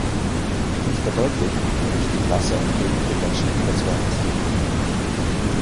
Dies verdeutlicht, wie wichtig Wasser und Regen den Menschen in Botswana sind.